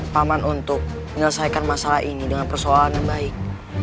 paman untuk menyelesaikan masalah ini dengan persoalan yang baik